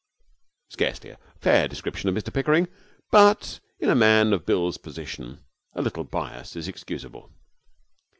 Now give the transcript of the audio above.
Scarcely a fair description of Mr Pickering, but in a man in Bill's position a little bias is excusable.